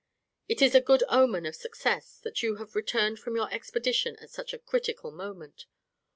It is a good omen of success that you have returned from your expedition at such a critical moment.